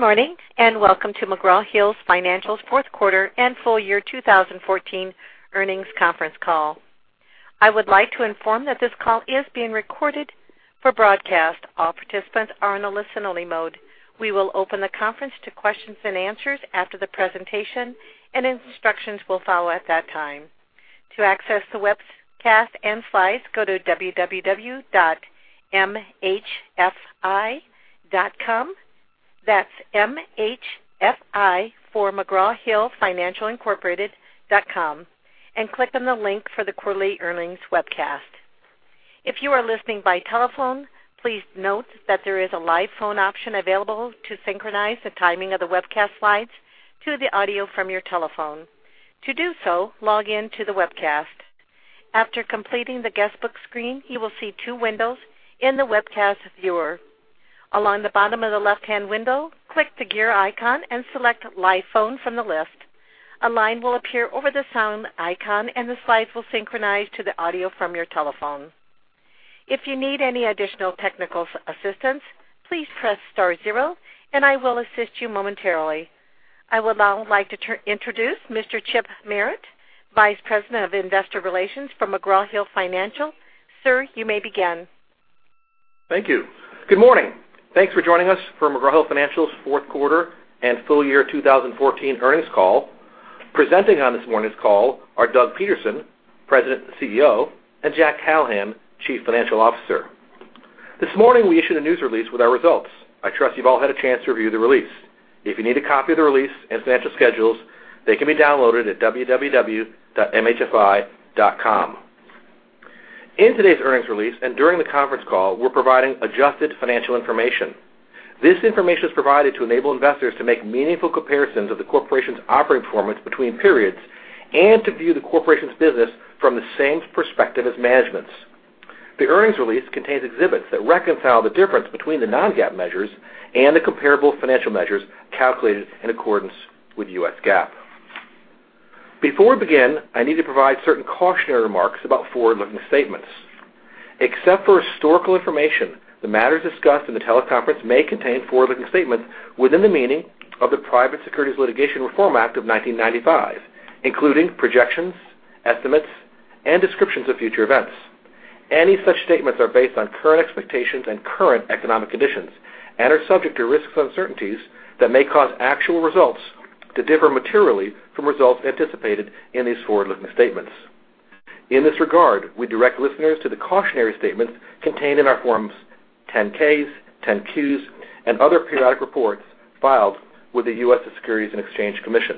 Good morning, and welcome to McGraw Hill Financial's fourth quarter and full year 2014 earnings conference call. I would like to inform that this call is being recorded for broadcast. All participants are in a listen-only mode. We will open the conference to questions and answers after the presentation, and instructions will follow at that time. To access the webcast and slides, go to www.mhfi.com. That's M-H-F-I for McGraw Hill Financial, Inc..com, and click on the link for the quarterly earnings webcast. If you are listening by telephone, please note that there is a live phone option available to synchronize the timing of the webcast slides to the audio from your telephone. To do so, log in to the webcast. After completing the guestbook screen, you will see two windows in the webcast viewer. Along the bottom of the left-hand window, click the gear icon and select Live Phone from the list. A line will appear over the sound icon, and the slides will synchronize to the audio from your telephone. If you need any additional technical assistance, please press star zero and I will assist you momentarily. I would now like to introduce Mr. Chip Merritt, Vice President of Investor Relations for McGraw Hill Financial. Sir, you may begin. Thank you. Good morning. Thanks for joining us for McGraw Hill Financial's fourth quarter and full year 2014 earnings call. Presenting on this morning's call are Douglas Peterson, President and CEO, and Jack Callahan, Chief Financial Officer. This morning we issued a news release with our results. I trust you've all had a chance to review the release. If you need a copy of the release and financial schedules, they can be downloaded at www.mhfi.com. In today's earnings release and during the conference call, we're providing adjusted financial information. This information is provided to enable investors to make meaningful comparisons of the corporation's operating performance between periods and to view the corporation's business from the same perspective as management's. The earnings release contains exhibits that reconcile the difference between the non-GAAP measures and the comparable financial measures calculated in accordance with U.S. GAAP. Before we begin, I need to provide certain cautionary remarks about forward-looking statements. Except for historical information, the matters discussed in the teleconference may contain forward-looking statements within the meaning of the Private Securities Litigation Reform Act of 1995, including projections, estimates, and descriptions of future events. Any such statements are based on current expectations and current economic conditions and are subject to risks and uncertainties that may cause actual results to differ materially from results anticipated in these forward-looking statements. In this regard, we direct listeners to the cautionary statements contained in our Form 10-Ks, 10-Qs, and other periodic reports filed with the U.S. Securities and Exchange Commission.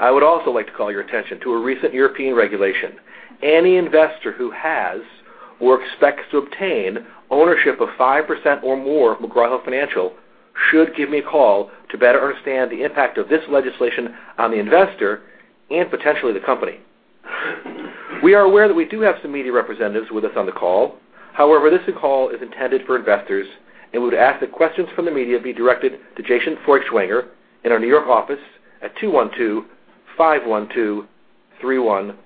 I would also like to call your attention to a recent European regulation. Any investor who has or expects to obtain ownership of 5% or more of McGraw Hill Financial should give me a call to better understand the impact of this legislation on the investor and potentially the company. We are aware that we do have some media representatives with us on the call. However, this call is intended for investors and would ask that questions from the media be directed to Jason Feuchtwanger in our New York office at 212-512-3151.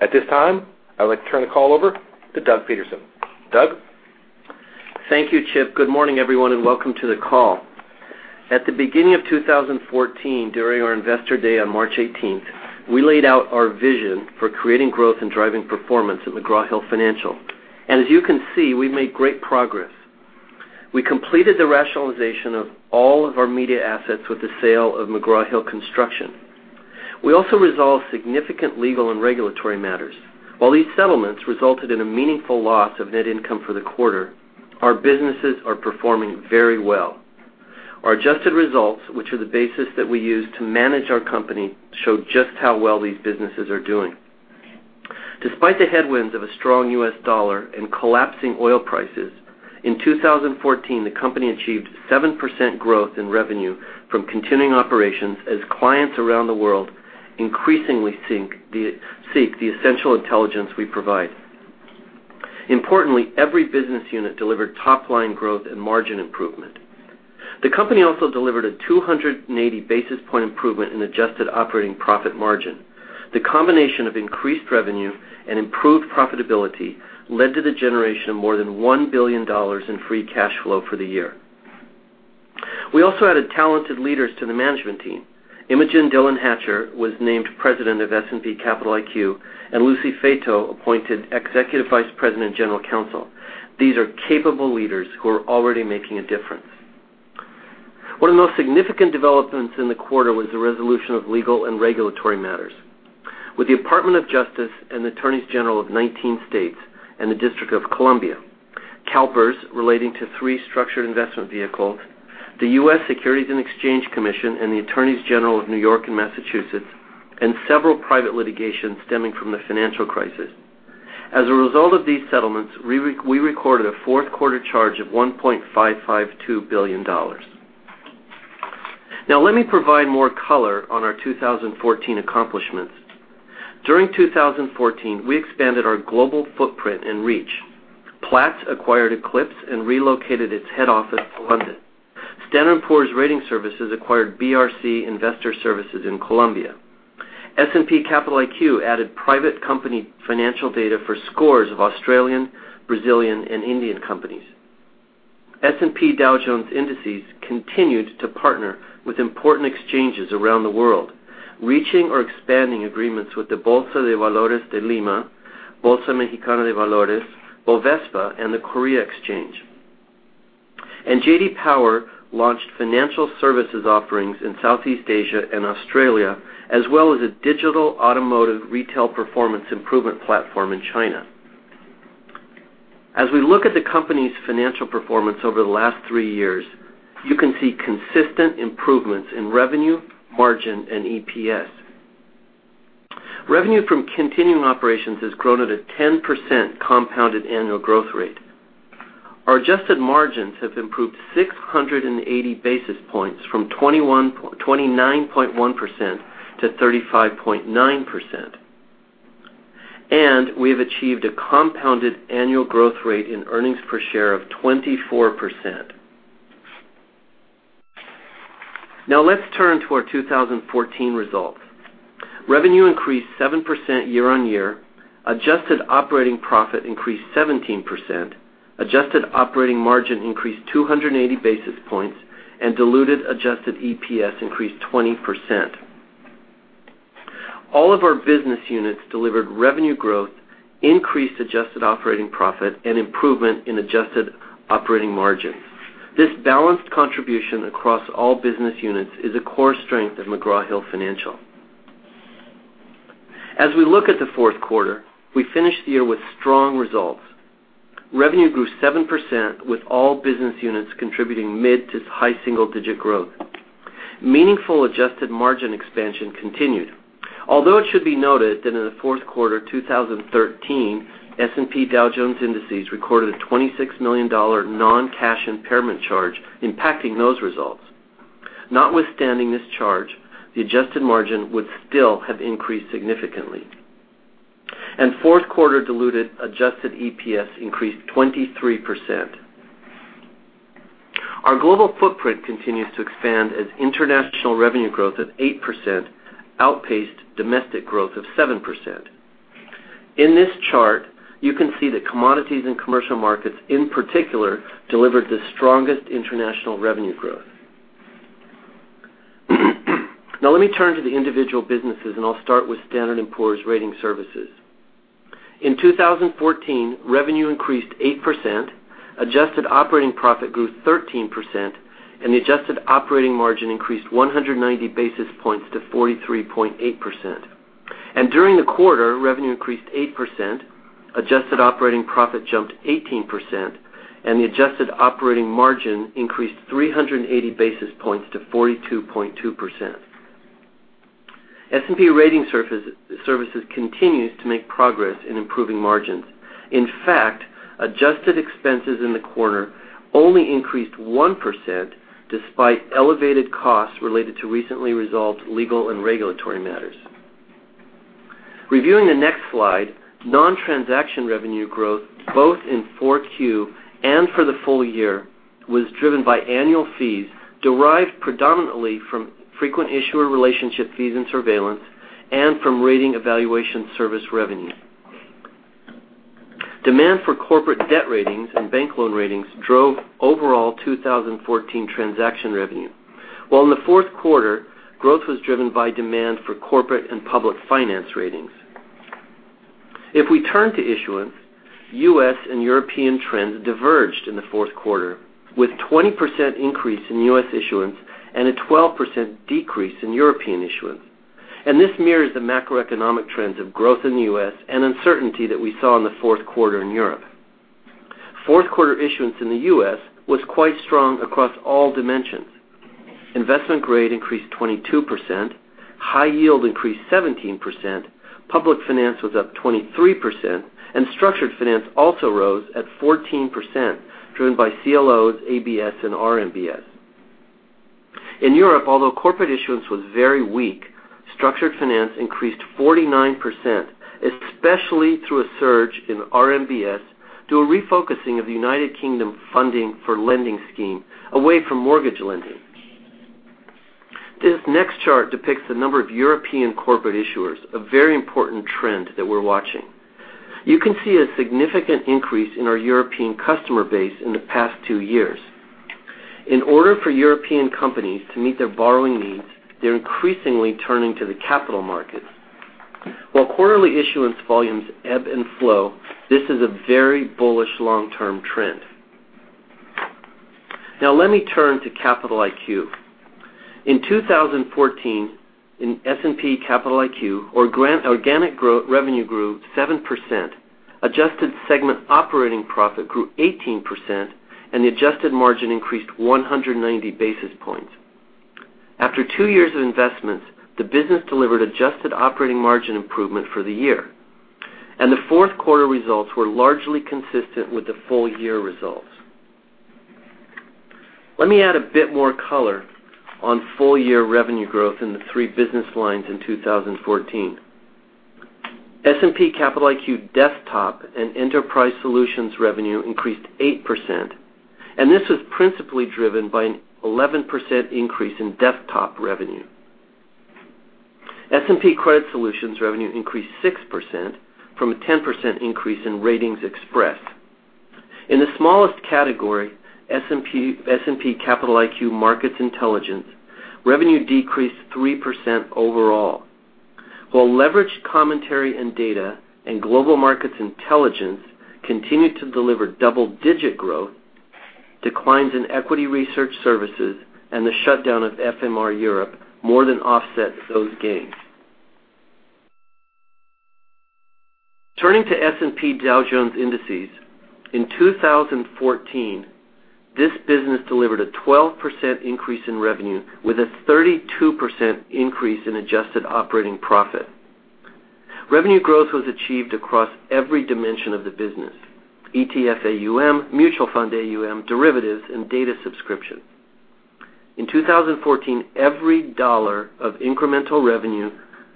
At this time, I would like to turn the call over to Douglas Peterson. Doug? Thank you, Chip. Good morning, everyone, and welcome to the call. At the beginning of 2014, during our Investor Day on March 18th, we laid out our vision for creating growth and driving performance at McGraw Hill Financial. As you can see, we've made great progress. We completed the rationalization of all of our media assets with the sale of McGraw Hill Construction. We also resolved significant legal and regulatory matters. While these settlements resulted in a meaningful loss of net income for the quarter, our businesses are performing very well. Our adjusted results, which are the basis that we use to manage our company, show just how well these businesses are doing. Despite the headwinds of a strong U.S. dollar and collapsing oil prices, in 2014, the company achieved 7% growth in revenue from continuing operations as clients around the world increasingly seek the essential intelligence we provide. Importantly, every business unit delivered top-line growth and margin improvement. The company also delivered a 280-basis point improvement in adjusted operating profit margin. The combination of increased revenue and improved profitability led to the generation of more than $1 billion in free cash flow for the year. We also added talented leaders to the management team. Imogen Dillon-Hatcher was named President of S&P Capital IQ, and Lucy Fato appointed Executive Vice President General Counsel. These are capable leaders who are already making a difference. One of the most significant developments in the quarter was the resolution of legal and regulatory matters. With the Department of Justice and Attorneys General of 19 states and the District of Columbia, CalPERS relating to three structured investment vehicles, the U.S. Securities and Exchange Commission, and the Attorneys General of New York and Massachusetts, and several private litigations stemming from the financial crisis. As a result of these settlements, we recorded a fourth-quarter charge of $1.552 billion. Now let me provide more color on our 2014 accomplishments. During 2014, we expanded our global footprint and reach. Platts acquired Eclipse and relocated its head office to London. Standard & Poor's Ratings Services acquired BRC Investor Services in Colombia. S&P Capital IQ added private company financial data for scores of Australian, Brazilian, and Indian companies. S&P Dow Jones Indices continued to partner with important exchanges around the world, reaching or expanding agreements with the Bolsa de Valores de Lima, Bolsa Mexicana de Valores, Bovespa, and the Korea Exchange. J.D. Power launched financial services offerings in Southeast Asia and Australia, as well as a digital automotive retail performance improvement platform in China. As we look at the company's financial performance over the last three years, you can see consistent improvements in revenue, margin, and EPS. Revenue from continuing operations has grown at a 10% compounded annual growth rate. Our adjusted margins have improved 680 basis points from 29.1%-35.9%. We have achieved a compounded annual growth rate in earnings per share of 24%. Let's turn to our 2014 results. Revenue increased 7% year-on-year, adjusted operating profit increased 17%, adjusted operating margin increased 280 basis points, and diluted adjusted EPS increased 20%. All of our business units delivered revenue growth, increased adjusted operating profit, and improvement in adjusted operating margins. This balanced contribution across all business units is a core strength of McGraw Hill Financial. As we look at the fourth quarter, we finished the year with strong results. Revenue grew 7% with all business units contributing mid to high single-digit growth. Meaningful adjusted margin expansion continued, although it should be noted that in the fourth quarter 2013, S&P Dow Jones Indices recorded a $26 million non-cash impairment charge, impacting those results. Notwithstanding this charge, the adjusted margin would still have increased significantly. Fourth quarter diluted adjusted EPS increased 23%. Our global footprint continues to expand as international revenue growth of 8% outpaced domestic growth of 7%. In this chart, you can see that commodities and commercial markets, in particular, delivered the strongest international revenue growth. Let me turn to the individual businesses, and I'll start with Standard & Poor's Ratings Services. In 2014, revenue increased 8%, adjusted operating profit grew 13%, and the adjusted operating margin increased 190 basis points to 43.8%. During the quarter, revenue increased 8%, adjusted operating profit jumped 18%, and the adjusted operating margin increased 380 basis points to 42.2%. S&P Ratings Services continues to make progress in improving margins. In fact, adjusted expenses in the quarter only increased 1%, despite elevated costs related to recently resolved legal and regulatory matters. Reviewing the next slide, non-transaction revenue growth, both in 4Q and for the full year, was driven by annual fees derived predominantly from frequent issuer relationship fees and surveillance and from rating evaluation service revenue. Demand for corporate debt ratings and bank loan ratings drove overall 2014 transaction revenue, while in the fourth quarter, growth was driven by demand for corporate and public finance ratings. If we turn to issuance, U.S. and European trends diverged in the fourth quarter, with 20% increase in U.S. issuance and a 12% decrease in European issuance. This mirrors the macroeconomic trends of growth in the U.S. and uncertainty that we saw in the fourth quarter in Europe. Fourth quarter issuance in the U.S. was quite strong across all dimensions. Investment grade increased 22%, high yield increased 17%, public finance was up 23%, and structured finance also rose at 14%, driven by CLOs, ABS, and RMBS. In Europe, although corporate issuance was very weak, structured finance increased 49%, especially through a surge in RMBS, due to a refocusing of the United Kingdom Funding for Lending Scheme away from mortgage lending. This next chart depicts the number of European corporate issuers, a very important trend that we're watching. You can see a significant increase in our European customer base in the past two years. In order for European companies to meet their borrowing needs, they're increasingly turning to the capital markets. While quarterly issuance volumes ebb and flow, this is a very bullish long-term trend. Let me turn to Capital IQ. In 2014, in S&P Capital IQ, organic revenue grew 7%, adjusted segment operating profit grew 18%, and the adjusted margin increased 190 basis points. After two years of investments, the business delivered adjusted operating margin improvement for the year, and the fourth quarter results were largely consistent with the full year results. Let me add a bit more color on full year revenue growth in the three business lines in 2014. S&P Capital IQ Desktop and Enterprise Solutions revenue increased 8%, this was principally driven by an 11% increase in desktop revenue. S&P Credit Solutions revenue increased 6%, from a 10% increase in RatingsXpress. In the smallest category, S&P Capital IQ Markets Intelligence, revenue decreased 3% overall. While Leveraged Commentary & Data and global markets intelligence continued to deliver double-digit growth, declines in equity research services and the shutdown of FMR Europe more than offset those gains. Turning to S&P Dow Jones Indices, in 2014, this business delivered a 12% increase in revenue with a 32% increase in adjusted operating profit. Revenue growth was achieved across every dimension of the business: ETF AUM, mutual fund AUM, derivatives, and data subscription. In 2014, every dollar of incremental revenue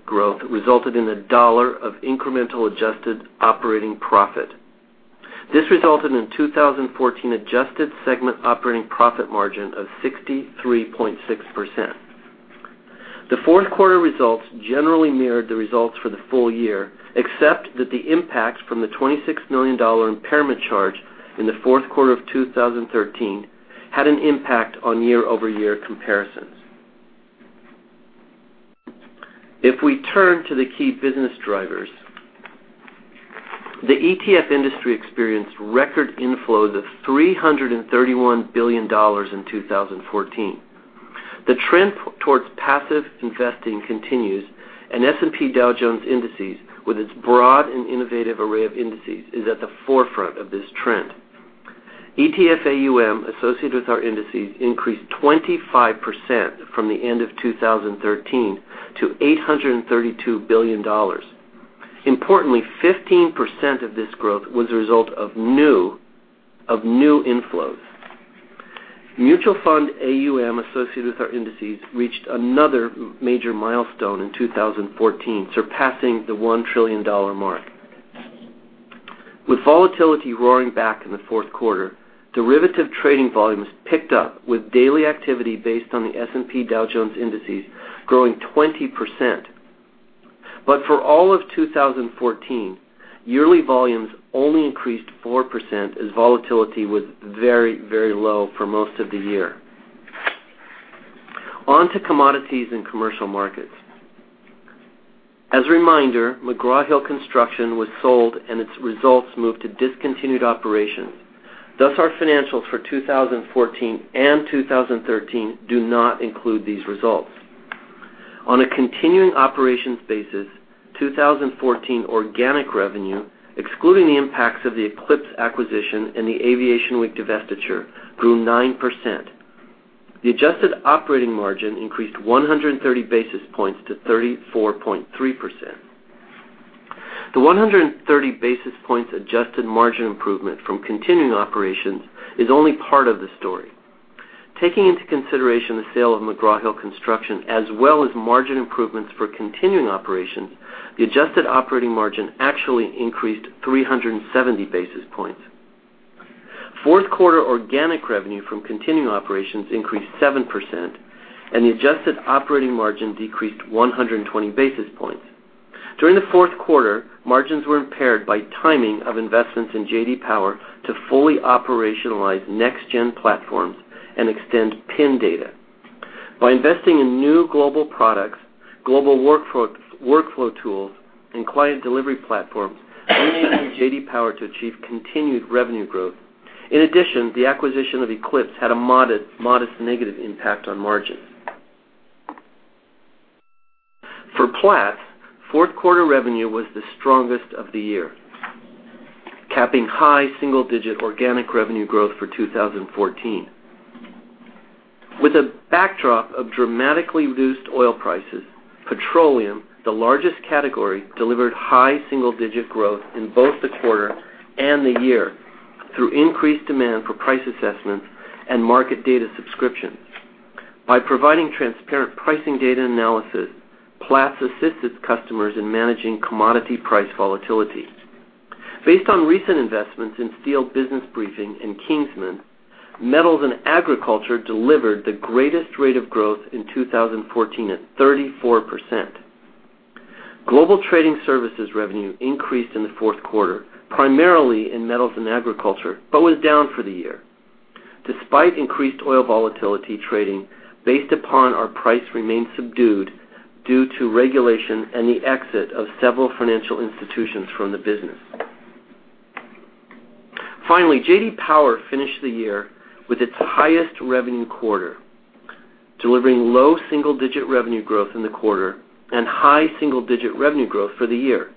growth resulted in a dollar of incremental adjusted operating profit. This resulted in 2014 adjusted segment operating profit margin of 63.6%. The fourth quarter results generally mirrored the results for the full year, except that the impact from the $26 million impairment charge in the fourth quarter of 2013 had an impact on year-over-year comparisons. If we turn to the key business drivers, the ETF industry experienced record inflows of $331 billion in 2014. The trend towards passive investing continues, S&P Dow Jones Indices, with its broad and innovative array of indices, is at the forefront of this trend. ETF AUM associated with our indices increased 25% from the end of 2013 to $832 billion. Importantly, 15% of this growth was a result of new inflows. Mutual fund AUM associated with our indices reached another major milestone in 2014, surpassing the $1 trillion mark. With volatility roaring back in the fourth quarter, derivative trading volumes picked up with daily activity based on the S&P Dow Jones indices growing 20%. For all of 2014, yearly volumes only increased 4% as volatility was very low for most of the year. On to Commodities and Commercial Markets. As a reminder, McGraw Hill Construction was sold and its results moved to discontinued operations. Thus, our financials for 2014 and 2013 do not include these results. On a continuing operations basis, 2014 organic revenue, excluding the impacts of the Eclipse acquisition and the Aviation Week divestiture, grew 9%. The adjusted operating margin increased 130 basis points to 34.3%. The 130 basis points adjusted margin improvement from continuing operations is only part of the story. Taking into consideration the sale of McGraw Hill Construction as well as margin improvements for continuing operations, the adjusted operating margin actually increased 370 basis points. Fourth quarter organic revenue from continuing operations increased 7%, the adjusted operating margin decreased 120 basis points. During the fourth quarter, margins were impaired by timing of investments in J.D. Power to fully operationalize next-generation platforms and extend PIN data. By investing in new global products, global workflow tools, and client delivery platforms, we enabled J.D. Power to achieve continued revenue growth. In addition, the acquisition of Eclipse had a modest negative impact on margins. For Platts, fourth quarter revenue was the strongest of the year, capping high single-digit organic revenue growth for 2014. With a backdrop of dramatically reduced oil prices, petroleum, the largest category, delivered high single-digit growth in both the quarter and the year through increased demand for price assessments and market data subscriptions. By providing transparent pricing data analysis, Platts assists its customers in managing commodity price volatility. Based on recent investments in Steel Business Briefing and Kingsman, metals and agriculture delivered the greatest rate of growth in 2014 at 34%. Global trading services revenue increased in the fourth quarter, primarily in metals and agriculture, but was down for the year. Despite increased oil volatility trading based upon our price remained subdued due to regulation and the exit of several financial institutions from the business. Finally, J.D. Power finished the year with its highest revenue quarter, delivering low double-digit revenue growth in the quarter and high single-digit revenue growth for the year.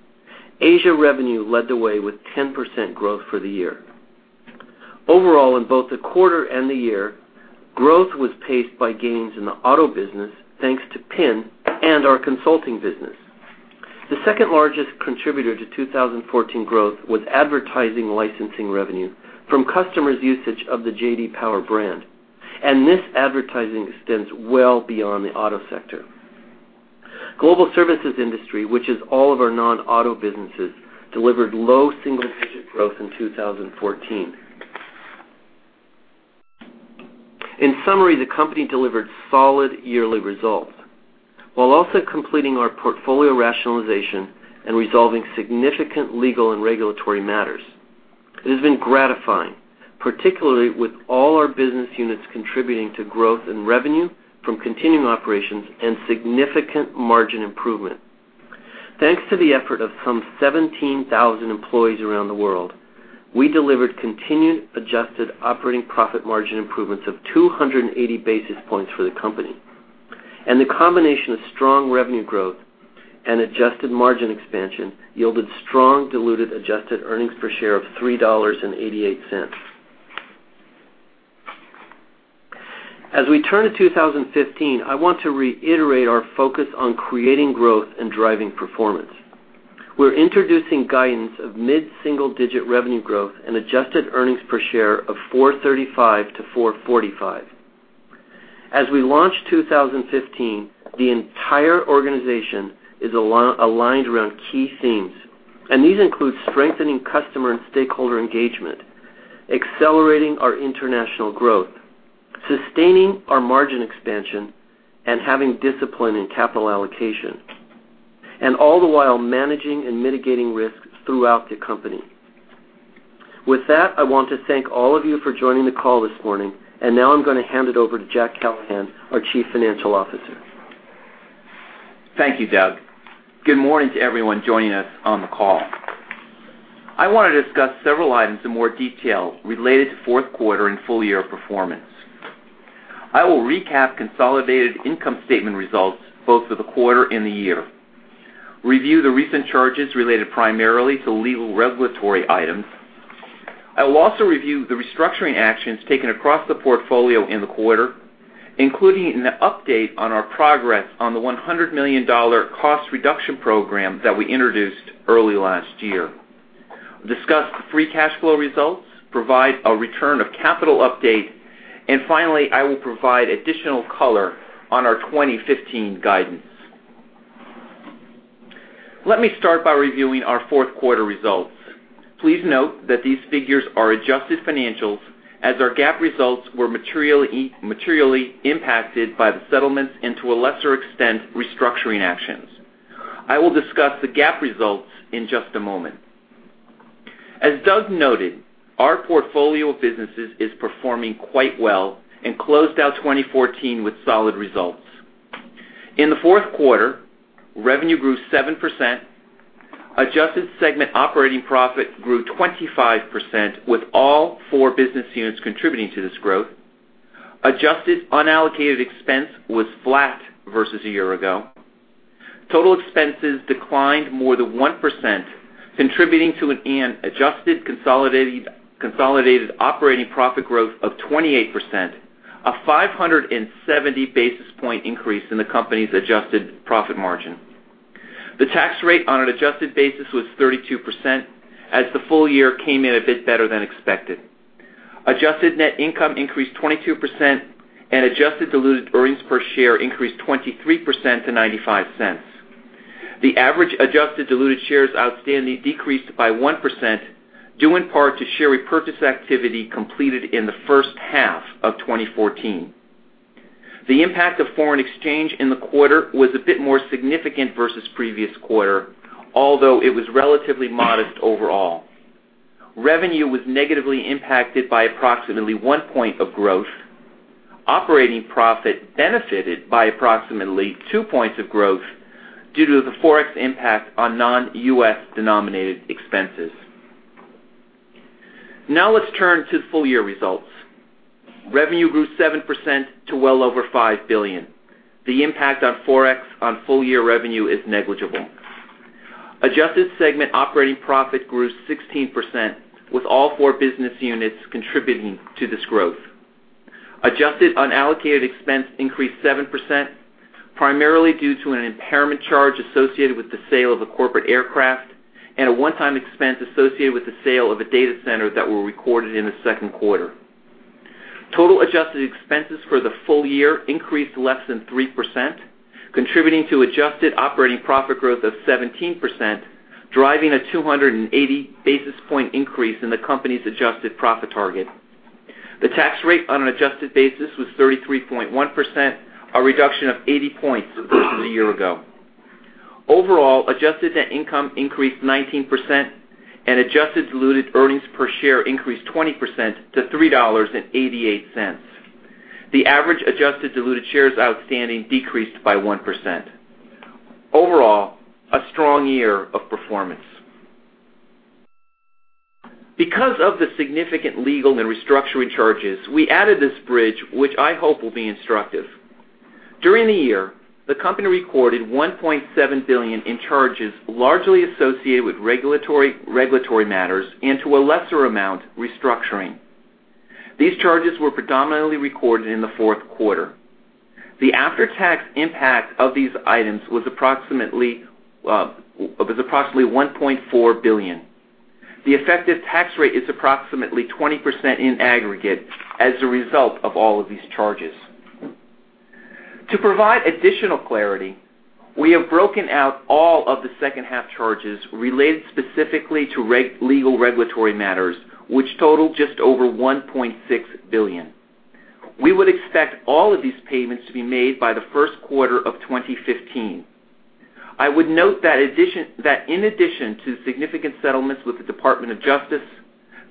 Asia revenue led the way with 10% growth for the year. Overall, in both the quarter and the year, growth was paced by gains in the auto business, thanks to PIN and our consulting business. The second largest contributor to 2014 growth was advertising licensing revenue from customers' usage of the J.D. Power brand. This advertising extends well beyond the auto sector. Global services industry, which is all of our non-auto businesses, delivered low single-digit growth in 2014. In summary, the company delivered solid yearly results while also completing our portfolio rationalization and resolving significant legal and regulatory matters. It has been gratifying, particularly with all our business units contributing to growth in revenue from continuing operations and significant margin improvement. Thanks to the effort of some 17,000 employees around the world, we delivered continued adjusted operating profit margin improvements of 280 basis points for the company, the combination of strong revenue growth and adjusted margin expansion yielded strong diluted adjusted earnings per share of $3.88. As we turn to 2015, I want to reiterate our focus on creating growth and driving performance. We're introducing guidance of mid-single digit revenue growth and adjusted earnings per share of $4.35 to $4.45. As we launch 2015, the entire organization is aligned around key themes. These include strengthening customer and stakeholder engagement, accelerating our international growth, sustaining our margin expansion, having discipline in capital allocation, all the while managing and mitigating risks throughout the company. With that, I want to thank all of you for joining the call this morning. Now I'm going to hand it over to Jack Callahan, our Chief Financial Officer. Thank you, Doug. Good morning to everyone joining us on the call. I want to discuss several items in more detail related to fourth quarter and full-year performance. I will recap consolidated income statement results both for the quarter and the year, review the recent charges related primarily to legal regulatory items. I will also review the restructuring actions taken across the portfolio in the quarter, including an update on our progress on the $100 million cost reduction program that we introduced early last year, discuss the free cash flow results, provide a return of capital update, and finally, I will provide additional color on our 2015 guidance. Let me start by reviewing our fourth quarter results. Please note that these figures are adjusted financials as our GAAP results were materially impacted by the settlements and to a lesser extent, restructuring actions. I will discuss the GAAP results in just a moment. As Doug noted, our portfolio of businesses is performing quite well and closed out 2014 with solid results. In the fourth quarter, revenue grew 7%. Adjusted segment operating profit grew 25%, with all four business units contributing to this growth. Adjusted unallocated expense was flat versus a year ago. Total expenses declined more than 1%, contributing to an adjusted consolidated operating profit growth of 28%, a 570 basis point increase in the company's adjusted profit margin. The tax rate on an adjusted basis was 32% as the full year came in a bit better than expected. Adjusted net income increased 22%, and adjusted diluted earnings per share increased 23% to $0.95. The average adjusted diluted shares outstanding decreased by 1%, due in part to share repurchase activity completed in the first half of 2014. The impact of foreign exchange in the quarter was a bit more significant versus the previous quarter, although it was relatively modest overall. Revenue was negatively impacted by approximately one point of growth. Operating profit benefited by approximately two points of growth due to the Forex impact on non-U.S. denominated expenses. Let's turn to full-year results. Revenue grew 7% to well over $5 billion. The impact on Forex on full-year revenue is negligible. Adjusted segment operating profit grew 16%, with all four business units contributing to this growth. Adjusted unallocated expense increased 7%, primarily due to an impairment charge associated with the sale of a corporate aircraft and a one-time expense associated with the sale of a data center that were recorded in the second quarter. Total adjusted expenses for the full year increased less than 3%, contributing to adjusted operating profit growth of 17%, driving a 280 basis point increase in the company's adjusted profit target. The tax rate on an adjusted basis was 33.1%, a reduction of 80 points versus a year ago. Overall, adjusted net income increased 19%, and adjusted diluted earnings per share increased 20% to $3.88. The average adjusted diluted shares outstanding decreased by 1%. Overall, a strong year of performance. Because of the significant legal and restructuring charges, we added this bridge, which I hope will be instructive. During the year, the company recorded $1.7 billion in charges, largely associated with regulatory matters and to a lesser amount, restructuring. These charges were predominantly recorded in the fourth quarter. The after-tax impact of these items was approximately $1.4 billion. The effective tax rate is approximately 20% in aggregate as a result of all of these charges. To provide additional clarity, we have broken out all of the second half charges related specifically to legal regulatory matters, which total just over $1.6 billion. We would expect all of these payments to be made by the first quarter of 2015. I would note that in addition to significant settlements with the Department of Justice,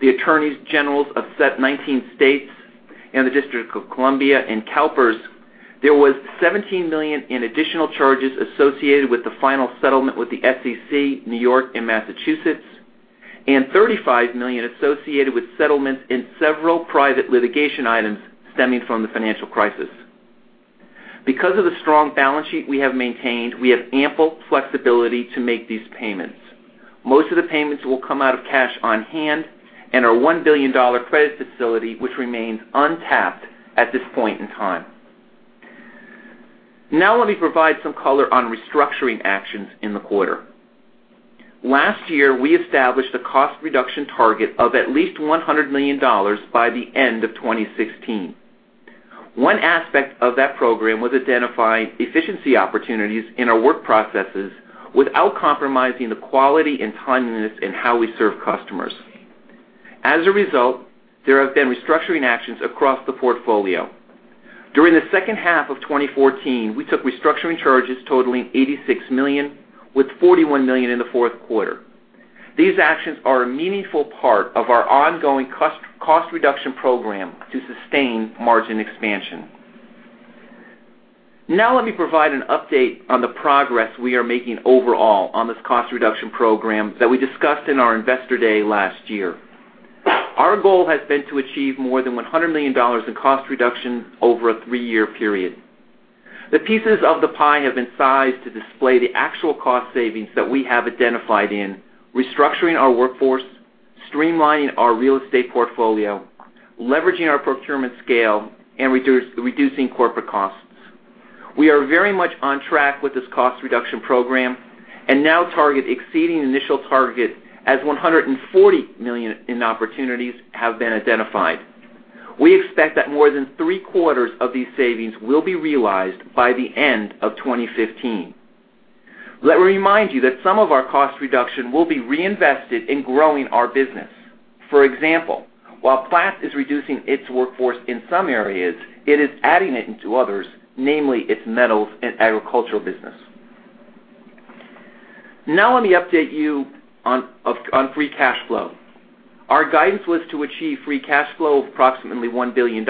the attorneys generals of 19 states and the District of Columbia and CalPERS, there was $17 million in additional charges associated with the final settlement with the SEC, New York, and Massachusetts, and $35 million associated with settlements in several private litigation items stemming from the financial crisis. Because of the strong balance sheet we have maintained, we have ample flexibility to make these payments. Most of the payments will come out of cash on hand and our $1 billion credit facility, which remains untapped at this point in time. Let me provide some color on restructuring actions in the quarter. Last year, we established a cost reduction target of at least $100 million by the end of 2016. One aspect of that program was identifying efficiency opportunities in our work processes without compromising the quality and timeliness in how we serve customers. As a result, there have been restructuring actions across the portfolio. During the second half of 2014, we took restructuring charges totaling $86 million, with $41 million in the fourth quarter. These actions are a meaningful part of our ongoing cost reduction program to sustain margin expansion. Let me provide an update on the progress we are making overall on this cost reduction program that we discussed in our investor day last year. Our goal has been to achieve more than $100 million in cost reductions over a three-year period. The pieces of the pie have been sized to display the actual cost savings that we have identified in restructuring our workforce, streamlining our real estate portfolio, leveraging our procurement scale, and reducing corporate costs. We are very much on track with this cost reduction program, and now target exceeding initial target as $140 million in opportunities have been identified. We expect that more than three-quarters of these savings will be realized by the end of 2015. Let me remind you that some of our cost reduction will be reinvested in growing our business. For example, while Platts is reducing its workforce in some areas, it is adding it into others, namely its metals and agricultural business. Let me update you on free cash flow. Our guidance was to achieve free cash flow of approximately $1 billion,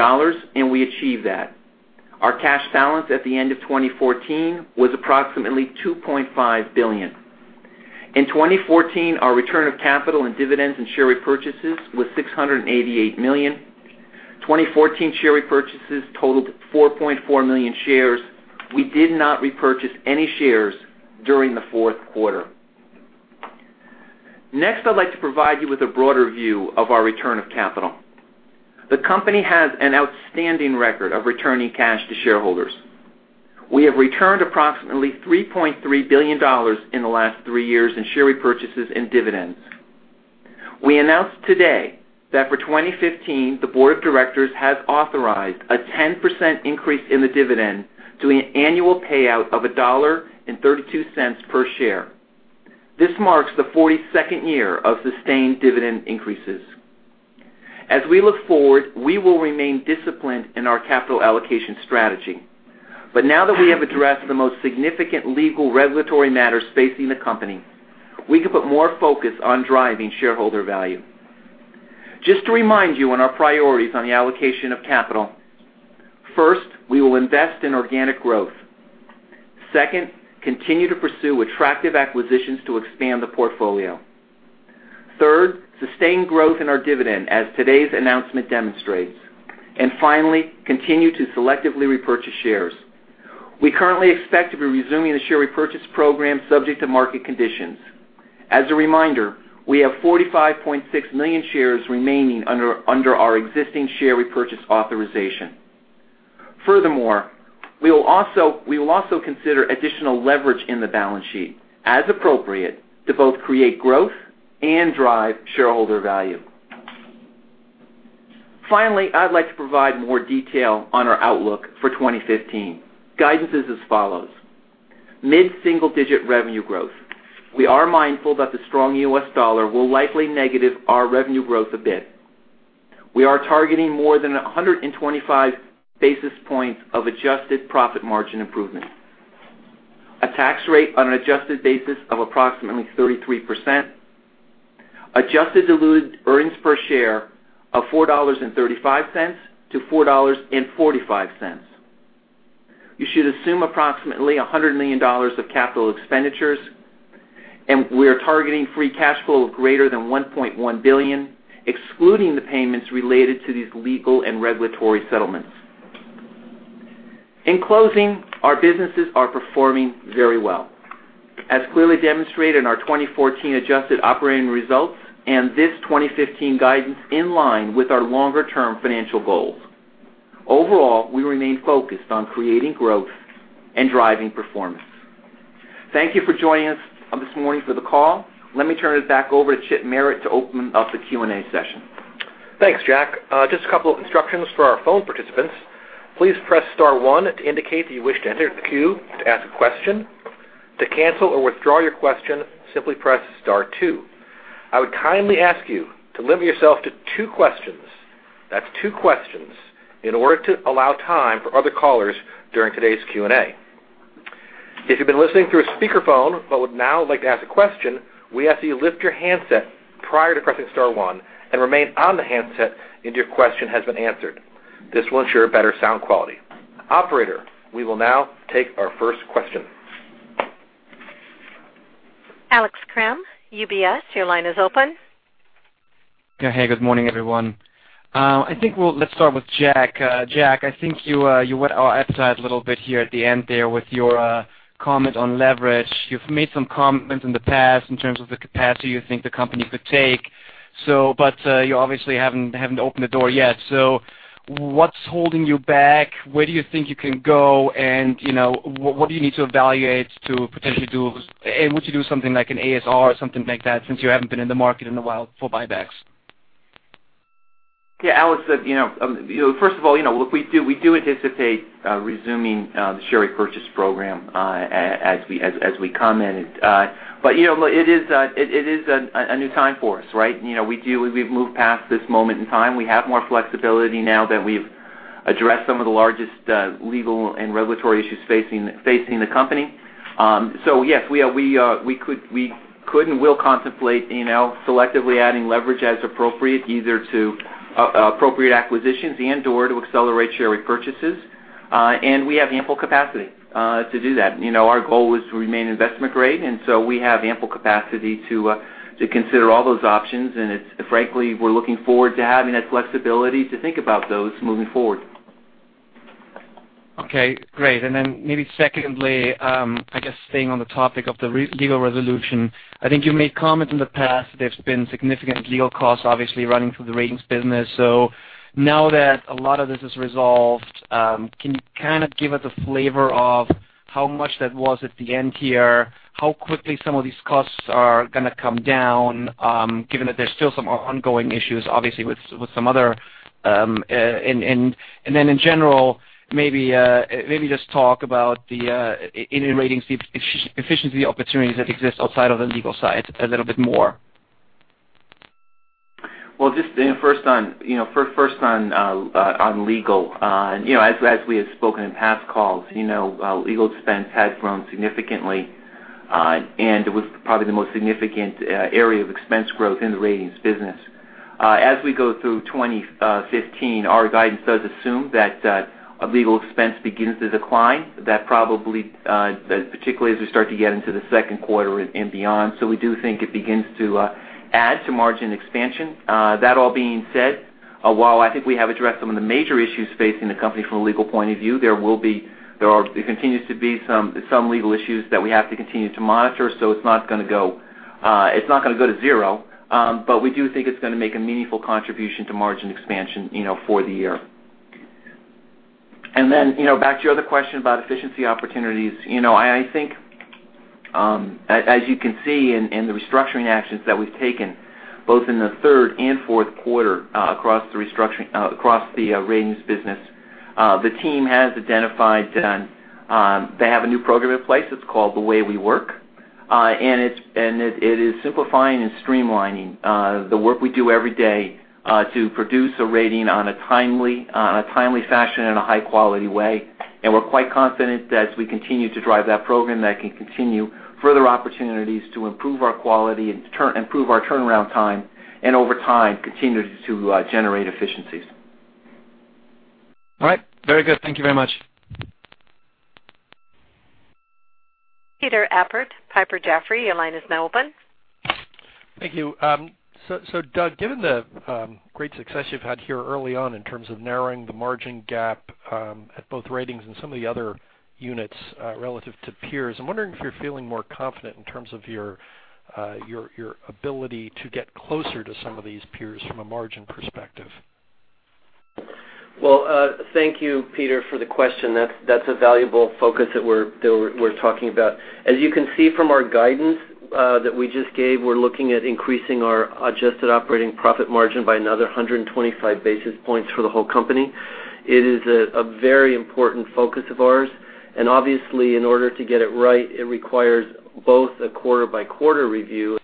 and we achieved that. Our cash balance at the end of 2014 was approximately $2.5 billion. In 2014, our return of capital in dividends and share repurchases was $688 million. 2014 share repurchases totaled 4.4 million shares. We did not repurchase any shares during the fourth quarter. I'd like to provide you with a broader view of our return of capital. The company has an outstanding record of returning cash to shareholders. We have returned approximately $3.3 billion in the last three years in share repurchases and dividends. We announced today that for 2015, the board of directors has authorized a 10% increase in the dividend to an annual payout of $1.32 per share. This marks the 42nd year of sustained dividend increases. As we look forward, we will remain disciplined in our capital allocation strategy. Now that we have addressed the most significant legal regulatory matters facing the company, we can put more focus on driving shareholder value. Just to remind you on our priorities on the allocation of capital, first, we will invest in organic growth. Second, continue to pursue attractive acquisitions to expand the portfolio. Third, sustain growth in our dividend, as today's announcement demonstrates. Finally, continue to selectively repurchase shares. We currently expect to be resuming the share repurchase program subject to market conditions. As a reminder, we have 45.6 million shares remaining under our existing share repurchase authorization. Furthermore, we will also consider additional leverage in the balance sheet as appropriate to both create growth and drive shareholder value. Finally, I'd like to provide more detail on our outlook for 2015. Guidance is as follows. Mid-single-digit revenue growth. We are mindful that the strong U.S. dollar will likely negate our revenue growth a bit. We are targeting more than 125 basis points of adjusted profit margin improvement. A tax rate on an adjusted basis of approximately 33%. Adjusted diluted earnings per share of $4.35-$4.45. You should assume approximately $100 million of capital expenditures, and we are targeting free cash flow of greater than $1.1 billion, excluding the payments related to these legal and regulatory settlements. In closing, our businesses are performing very well. As clearly demonstrated in our 2014 adjusted operating results and this 2015 guidance in line with our longer-term financial goals. Overall, we remain focused on creating growth and driving performance. Thank you for joining us this morning for the call. Let me turn it back over to Chip Merritt to open up the Q&A session. Thanks, Jack. Just a couple of instructions for our phone participants. Please press star one to indicate that you wish to enter the queue to ask a question. To cancel or withdraw your question, simply press star two. I would kindly ask you to limit yourself to two questions. That's two questions, in order to allow time for other callers during today's Q&A. If you've been listening through a speakerphone but would now like to ask a question, we ask that you lift your handset prior to pressing star one and remain on the handset until your question has been answered. This will ensure better sound quality. Operator, we will now take our first question. Alex Kramm, UBS, your line is open. Yeah. Hey, good morning, everyone. I think let's start with Jack. Jack, I think you whet our appetite a little bit here at the end there with your comment on leverage. You've made some comments in the past in terms of the capacity you think the company could take, but you obviously haven't opened the door yet. What's holding you back? Where do you think you can go? What do you need to evaluate to potentially do? Would you do something like an ASR or something like that since you haven't been in the market in a while for buybacks? Yeah, Alex, first of all, we do anticipate resuming the share repurchase program as we come in. It is a new time for us, right? We've moved past this moment in time. We have more flexibility now that we've addressed some of the largest legal and regulatory issues facing the company. Yes, we could and will contemplate selectively adding leverage as appropriate, either to appropriate acquisitions and/or to accelerate share repurchases. We have ample capacity to do that. Our goal is to remain investment grade, we have ample capacity to consider all those options. Frankly, we're looking forward to having that flexibility to think about those moving forward. Okay, great. Maybe secondly, I guess staying on the topic of the legal resolution, I think you made comment in the past there's been significant legal costs, obviously, running through the Ratings business. Now that a lot of this is resolved, can you kind of give us a flavor of how much that was at the end here? How quickly some of these costs are going to come down, given that there's still some ongoing issues, obviously, with some other. In general, maybe just talk about the in Ratings efficiency opportunities that exist outside of the legal side a little bit more. Just first on legal. As we have spoken in past calls, legal expense had grown significantly, and it was probably the most significant area of expense growth in the Ratings business. As we go through 2015, our guidance does assume that legal expense begins to decline. That probably, particularly as we start to get into the second quarter and beyond. We do think it begins to add to margin expansion. That all being said, while I think we have addressed some of the major issues facing the company from a legal point of view, there continues to be some legal issues that we have to continue to monitor. It's not going to go to zero. We do think it's going to make a meaningful contribution to margin expansion for the year. Then back to your other question about efficiency opportunities. I think, as you can see in the restructuring actions that we've taken both in the third and fourth quarter across the Ratings business, the team has identified they have a new program in place. It's called The Way We Work, and it is simplifying and streamlining the work we do every day to produce a rating on a timely fashion in a high-quality way. We're quite confident that as we continue to drive that program, that can continue further opportunities to improve our quality and improve our turnaround time, over time, continue to generate efficiencies. All right. Very good. Thank you very much. Peter Appert, Piper Jaffray, your line is now open. Thank you. Doug, given the great success you've had here early on in terms of narrowing the margin gap at both Ratings and some of the other units relative to peers, I'm wondering if you're feeling more confident in terms of your ability to get closer to some of these peers from a margin perspective. Well, thank you, Peter, for the question. That's a valuable focus that we're talking about. As you can see from our guidance that we just gave, we're looking at increasing our adjusted operating profit margin by another 125 basis points for the whole company. It is a very important focus of ours. Obviously, in order to get it right, it requires both a quarter-by-quarter review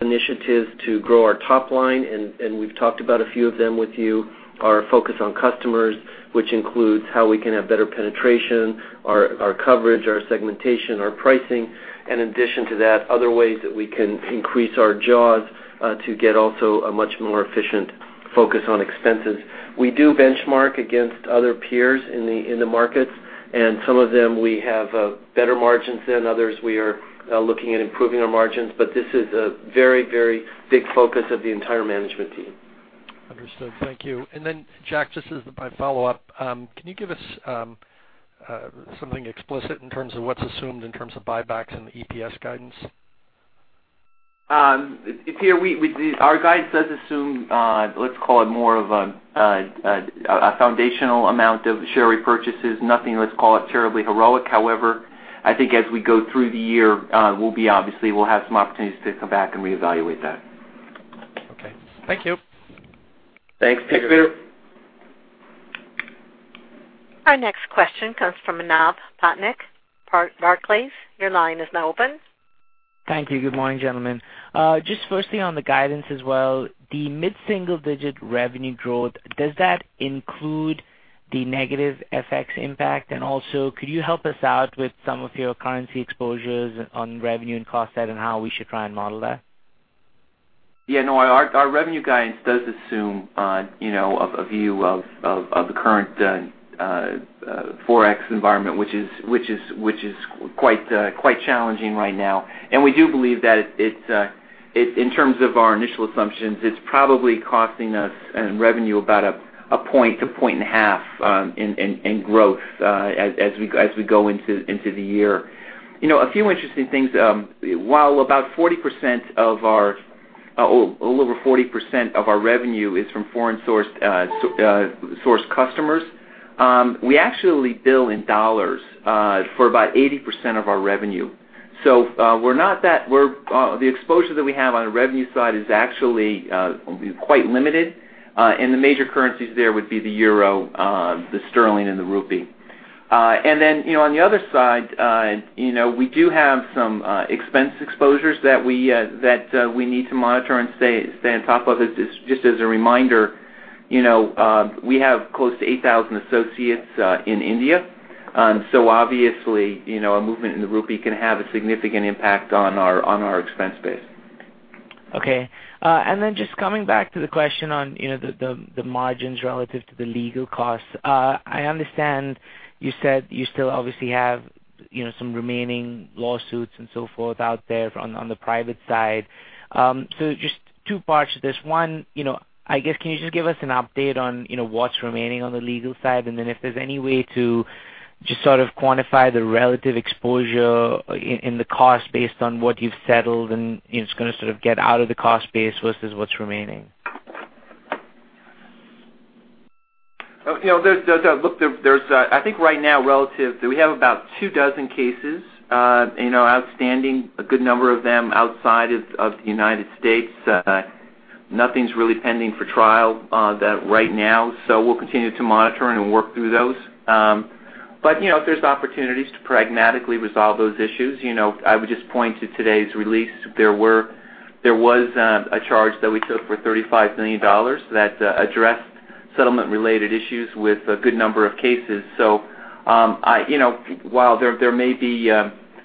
initiatives to grow our top line, and we've talked about a few of them with you. Our focus on customers, which includes how we can have better penetration, our coverage, our segmentation, our pricing. In addition to that, other ways that we can increase our jaws to get also a much more efficient focus on expenses. We do benchmark against other peers in the markets, and some of them we have better margins than others. We are looking at improving our margins, this is a very big focus of the entire management team. Understood. Thank you. Then Jack, just as my follow-up, can you give us something explicit in terms of what's assumed in terms of buybacks and the EPS guidance? Peter, our guidance does assume, let's call it more of a foundational amount of share repurchases. Nothing, let's call it, terribly heroic. I think as we go through the year, obviously, we'll have some opportunities to come back and reevaluate that. Okay. Thank you. Thanks, Peter. Our next question comes from Manav Patnaik, Barclays. Your line is now open. Thank you. Good morning, gentlemen. Just firstly, on the guidance as well, the mid-single-digit revenue growth, does that include the negative FX impact? Also, could you help us out with some of your currency exposures on revenue and cost side, and how we should try and model that? Yeah, no, our revenue guidance does assume a view of the current Forex environment, which is quite challenging right now. We do believe that in terms of our initial assumptions, it's probably costing us in revenue about a point to point and a half in growth as we go into the year. A few interesting things. While a little over 40% of our revenue is from foreign-sourced customers, we actually bill in dollars for about 80% of our revenue. The exposure that we have on the revenue side is actually quite limited. The major currencies there would be the euro, the sterling, and the rupee. Then, on the other side, we do have some expense exposures that we need to monitor and stay on top of. Just as a reminder, we have close to 8,000 associates in India, obviously, a movement in the rupee can have a significant impact on our expense base. Okay. Then just coming back to the question on the margins relative to the legal costs. I understand you said you still obviously have some remaining lawsuits and so forth out there on the private side. Just two parts to this. One, I guess, can you just give us an update on what's remaining on the legal side? Then if there's any way to just sort of quantify the relative exposure and the cost based on what you've settled and is going to sort of get out of the cost base versus what's remaining. Look, I think right now, relative, we have about two dozen cases outstanding, a good number of them outside of the U.S. Nothing's really pending for trial right now, we'll continue to monitor and work through those. If there's opportunities to pragmatically resolve those issues, I would just point to today's release. There was a charge that we took for $35 million that addressed settlement-related issues with a good number of cases.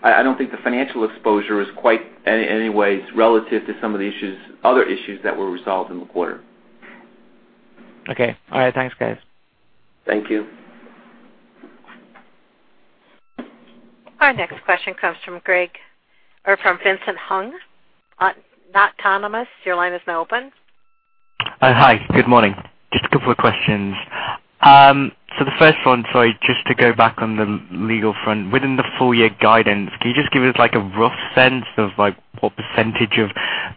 I don't think the financial exposure is quite anyways relative to some of the other issues that were resolved in the quarter. Okay. All right. Thanks, guys. Thank you. Our next question comes from Vincent Hung at Autonomous Research. Your line is now open. Hi. Good morning. Just a couple of questions. The first one, sorry, just to go back on the legal front. Within the full-year guidance, can you just give us a rough sense of what percentage of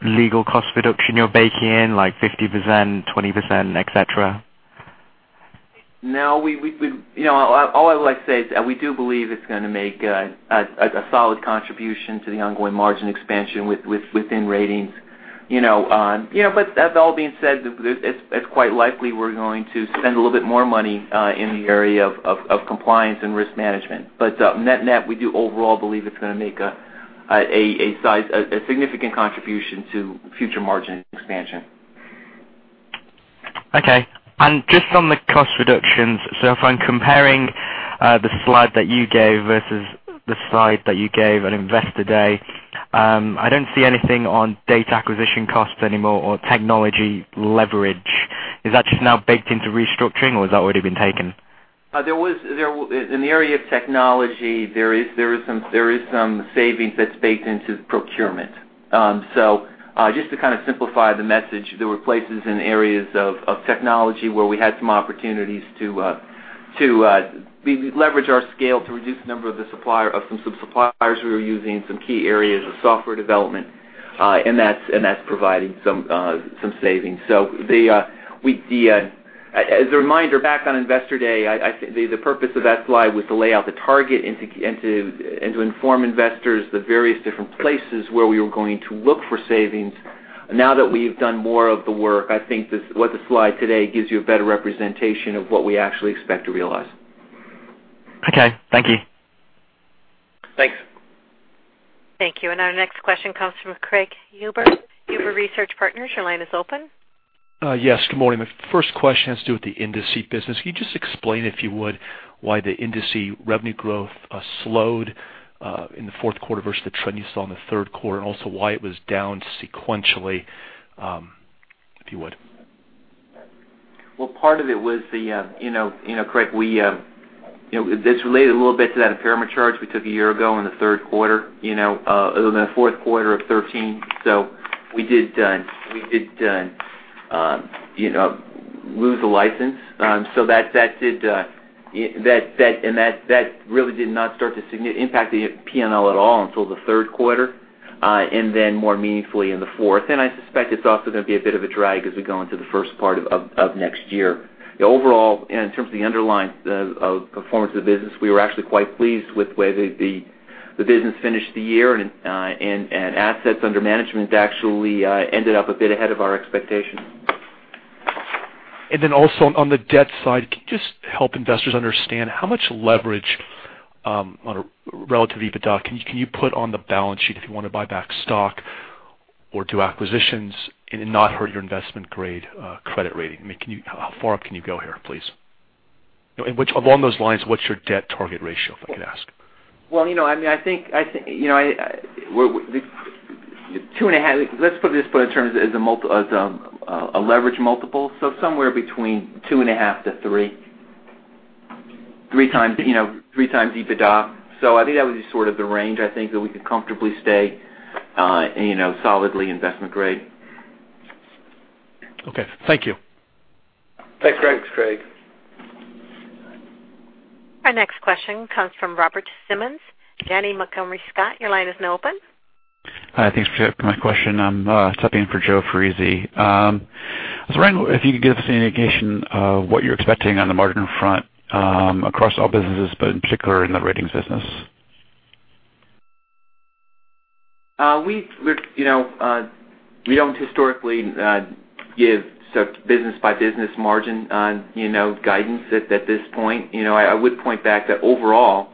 legal cost reduction you're baking in, like 50%, 20%, et cetera? No, all I would like to say is that we do believe it's going to make a solid contribution to the ongoing margin expansion within ratings. That all being said, it's quite likely we're going to spend a little bit more money in the area of compliance and risk management. Net, we do overall believe it's going to make a significant contribution to future margin expansion. Okay. Just on the cost reductions, if I'm comparing the slide that you gave versus the slide that you gave on Investor Day, I don't see anything on data acquisition costs anymore or technology leverage. Is that just now baked into restructuring, or has that already been taken? In the area of technology, there is some savings that's baked into procurement. Just to kind of simplify the message, there were places in areas of technology where we had some opportunities to leverage our scale to reduce the number of some suppliers we were using, some key areas of software development, and that's providing some savings. As a reminder, back on Investor Day, the purpose of that slide was to lay out the target and to inform investors the various different places where we were going to look for savings. Now that we've done more of the work, I think what the slide today gives you a better representation of what we actually expect to realize. Okay. Thank you. Thanks. Thank you. Our next question comes from Craig Huber Research Partners. Your line is open. Yes. Good morning. My first question has to do with the Indices business. Can you just explain, if you would, why the Indices revenue growth slowed in the fourth quarter versus the trend you saw in the third quarter, and also why it was down sequentially, if you would? Part of it was, Craig. It's related a little bit to that impairment charge we took a year ago in the third quarter. It was in the fourth quarter of 2013. We did lose a license. That really did not start to significantly impact the P&L at all until the third quarter, and then more meaningfully in the fourth. I suspect it's also going to be a bit of a drag as we go into the first part of next year. Overall, in terms of the underlying performance of the business, we were actually quite pleased with the way the business finished the year, and assets under management actually ended up a bit ahead of our expectations. Also on the debt side, can you just help investors understand how much leverage on a relative EBITDA can you put on the balance sheet if you want to buy back stock or do acquisitions and not hurt your investment-grade credit rating? How far up can you go here, please? Along those lines, what's your debt target ratio, if I could ask? Well, let's put it in terms as a leverage multiple, somewhere between two and a half to three times EBITDA. I think that would be sort of the range, I think, that we could comfortably stay solidly investment grade. Okay. Thank you. Thanks, Craig. Our next question comes from Robert Simmons. Janney Montgomery Scott, your line is now open. Hi, thanks for taking my question. I'm subbing in for Joseph Foresi. I was wondering if you could give us any indication of what you're expecting on the margin front across all businesses, but in particular in the ratings business. We don't historically give business-by-business margin guidance at this point. I would point back that overall,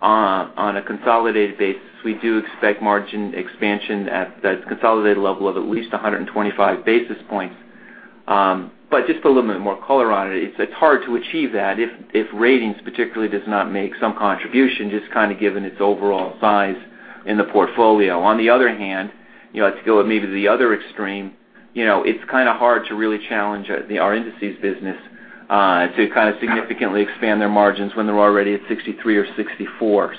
on a consolidated basis, we do expect margin expansion at the consolidated level of at least 125 basis points. Just to put a little bit more color on it's hard to achieve that if ratings particularly does not make some contribution, just kind of given its overall size in the portfolio. To go maybe to the other extreme, it's kind of hard to really challenge our indices business to kind of significantly expand their margins when they're already at 63 or 64.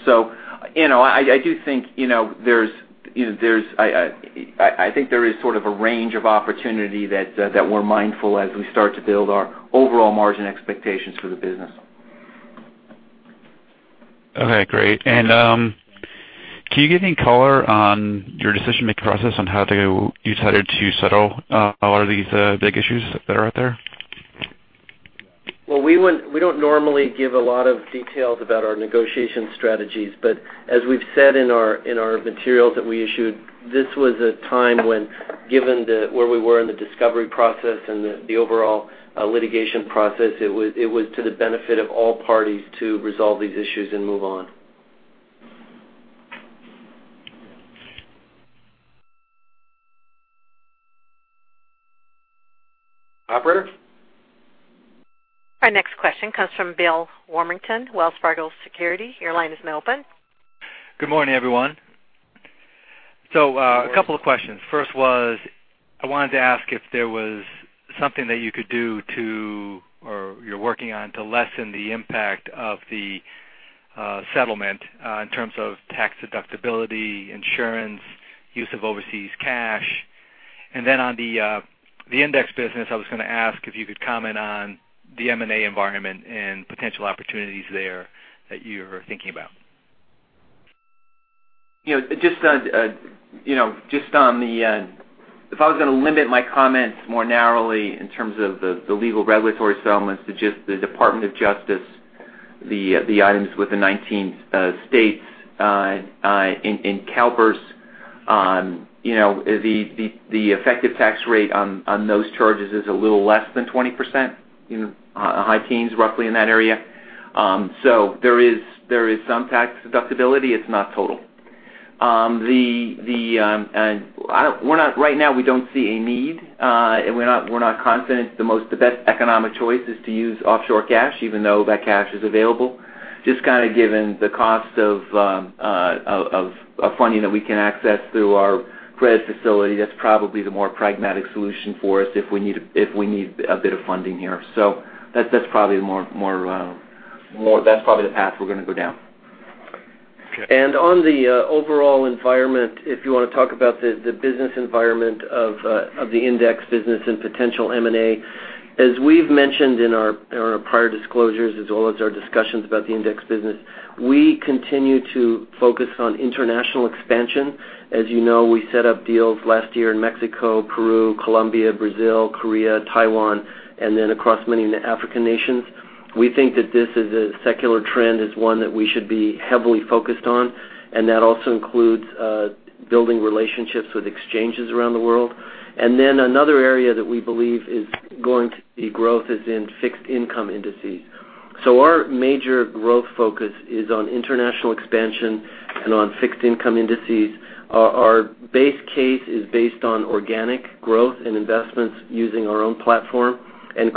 I think there is sort of a range of opportunity that we're mindful as we start to build our overall margin expectations for the business. Okay, great. Can you give any color on your decision-making process on how you decided to settle a lot of these big issues that are out there? We don't normally give a lot of details about our negotiation strategies. As we've said in our materials that we issued, this was a time when, given where we were in the discovery process and the overall litigation process, it was to the benefit of all parties to resolve these issues and move on. Operator? Our next question comes from Bill Warmington, Wells Fargo Securities. Your line is now open. Good morning, everyone. A couple of questions. First was, I wanted to ask if there was something that you could do to, or you're working on to lessen the impact of the settlement in terms of tax deductibility, insurance, use of overseas cash. Then on the index business, I was going to ask if you could comment on the M&A environment and potential opportunities there that you're thinking about. If I was going to limit my comments more narrowly in terms of the legal regulatory settlements to just the Department of Justice, the items with the 19 states and CalPERS, the effective tax rate on those charges is a little less than 20%, high teens roughly in that area. There is some tax deductibility. It's not total. Right now we don't see a need, and we're not confident the best economic choice is to use offshore cash, even though that cash is available. Just kind of given the cost of funding that we can access through our credit facility, that's probably the more pragmatic solution for us if we need a bit of funding here. That's probably the path we're going to go down. Okay. On the overall environment, if you want to talk about the business environment of the Indices business and potential M&A, as we've mentioned in our prior disclosures as well as our discussions about the Indices business, we continue to focus on international expansion. As you know, we set up deals last year in Mexico, Peru, Colombia, Brazil, Korea, Taiwan, and then across many African nations. We think that this as a secular trend is one that we should be heavily focused on, that also includes building relationships with exchanges around the world. Another area that we believe is going to see growth is in fixed income indices. Our major growth focus is on international expansion and on fixed income indices. Our base case is based on organic growth and investments using our own platform.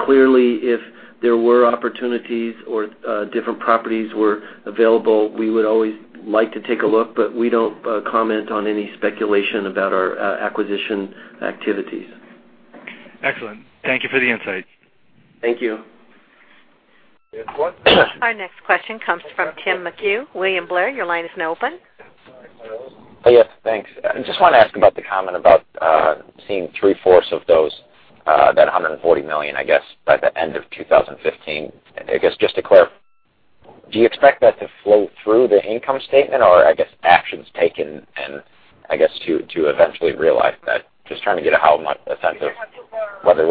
Clearly, if there were opportunities or different properties were available, we would always like to take a look, but we don't comment on any speculation about our acquisition activities. Excellent. Thank you for the insight. Thank you. We have one- Our next question comes from Tim McHugh, William Blair, your line is now open. Yes, thanks. I just want to ask about the comment about seeing three-fourths of that $140 million, I guess, by the end of 2015. I guess, just to clarify, do you expect that to flow through the income statement? Or I guess actions taken and to eventually realize that. Just trying to get a sense of whether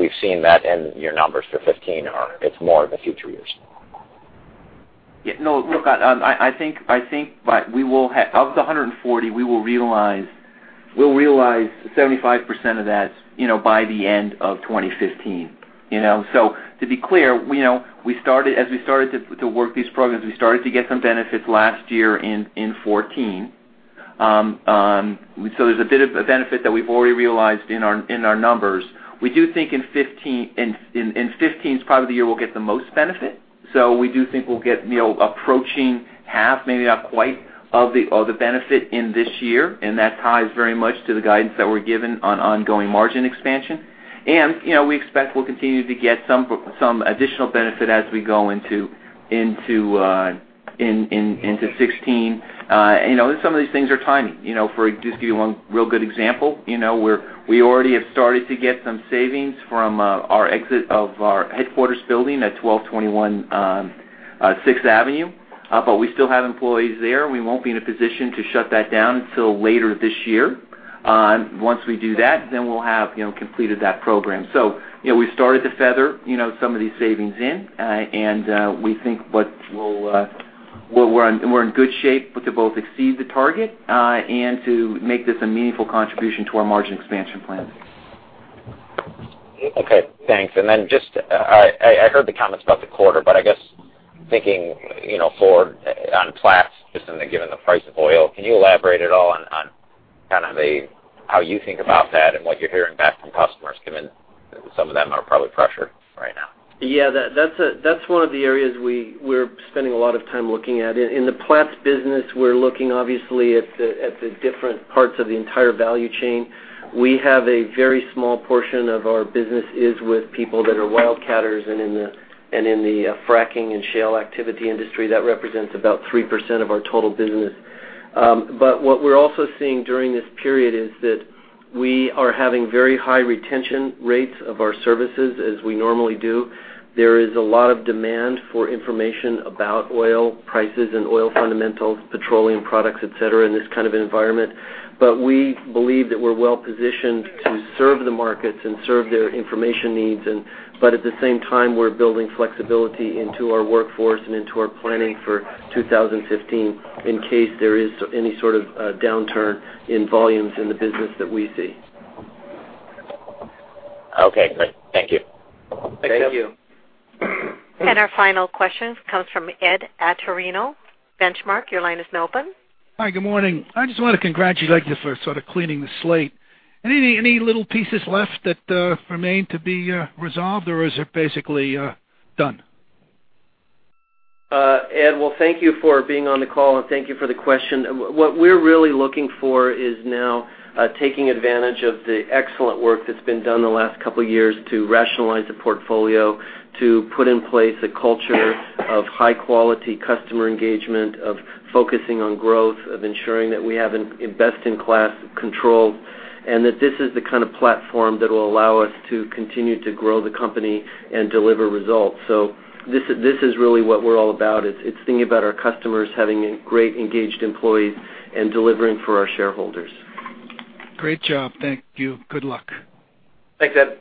we've seen that in your numbers for 2015 or it's more of a future use. Yeah. No, look, I think of the $140, we'll realize 75% of that by the end of 2015. To be clear, as we started to work these programs, we started to get some benefits last year in 2014. There's a bit of a benefit that we've already realized in our numbers. We do think in 2015 is probably the year we'll get the most benefit. We do think we'll get approaching half, maybe not quite, of the benefit in this year, and that ties very much to the guidance that we're given on ongoing margin expansion. We expect we'll continue to get some additional benefit as we go into 2016. Some of these things are timing. To just give you one real good example, we already have started to get some savings from our exit of our headquarters building at 1221 6th Avenue. We still have employees there. We won't be in a position to shut that down until later this year. Once we do that, we'll have completed that program. We've started to feather some of these savings in, and we think we're in good shape to both exceed the target and to make this a meaningful contribution to our margin expansion plans. Okay, thanks. I heard the comments about the quarter. I guess thinking forward on Platts, just given the price of oil, can you elaborate at all on how you think about that and what you're hearing back from customers, given some of them are probably pressured right now? That's one of the areas we're spending a lot of time looking at. In the Platts business, we're looking obviously at the different parts of the entire value chain. We have a very small portion of our business is with people that are wildcatters and in the fracking and shale activity industry. That represents about 3% of our total business. What we're also seeing during this period is that we are having very high retention rates of our services as we normally do. There is a lot of demand for information about oil prices and oil fundamentals, petroleum products, et cetera, in this kind of environment. We believe that we're well-positioned to serve the markets and serve their information needs. At the same time, we're building flexibility into our workforce and into our planning for 2015 in case there is any sort of downturn in volumes in the business that we see. Okay, great. Thank you. Thank you. Thank you. Our final question comes from Ed Atorino, Benchmark. Your line is now open. Hi, good morning. I just want to congratulate you for sort of cleaning the slate. Any little pieces left that remain to be resolved, or is it basically done? Ed, well, thank you for being on the call, and thank you for the question. What we're really looking for is now taking advantage of the excellent work that's been done the last couple of years to rationalize the portfolio, to put in place a culture of high-quality customer engagement, of focusing on growth, of ensuring that we have best-in-class control, and that this is the kind of platform that will allow us to continue to grow the company and deliver results. This is really what we're all about. It's thinking about our customers, having great engaged employees, and delivering for our shareholders. Great job. Thank you. Good luck. Thanks, Ed.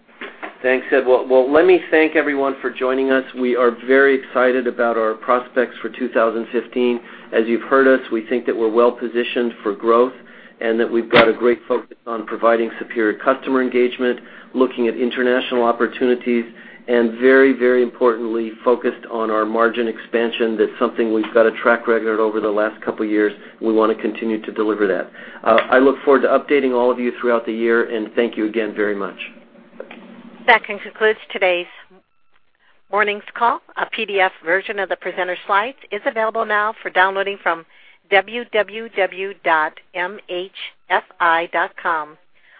Well, let me thank everyone for joining us. We are very excited about our prospects for 2015. As you've heard us, we think that we're well-positioned for growth and that we've got a great focus on providing superior customer engagement, looking at international opportunities, and very importantly, focused on our margin expansion. That's something we've got a track record over the last couple of years. We want to continue to deliver that. I look forward to updating all of you throughout the year, and thank you again very much. That concludes today's morning's call. A PDF version of the presenter slides is available now for downloading from mhfi.com.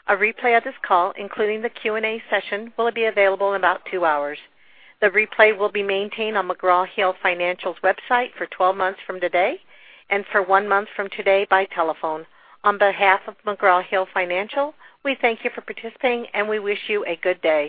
A replay of this call, including the Q&A session, will be available in about two hours. The replay will be maintained on McGraw Hill Financial's website for 12 months from today and for one month from today by telephone. On behalf of McGraw Hill Financial, we thank you for participating, and we wish you a good day.